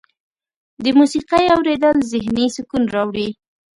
د موسیقۍ اوریدل ذهني سکون راوړي.